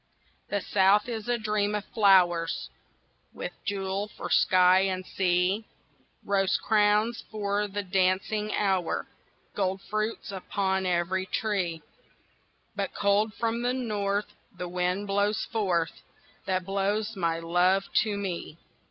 THE South is a dream of flowers With a jewel for sky and sea, Rose crowns for the dancing hours, Gold fruits upon every tree; But cold from the North The wind blows forth That blows my love to me.